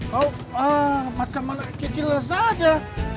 kau ah macam mana kecil rasa aja